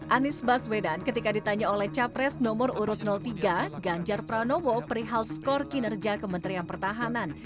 anies baswedan ketika ditanya oleh capres nomor urut tiga ganjar pranowo perihal skor kinerja kementerian pertahanan